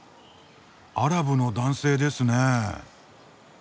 アラブの男性ですね。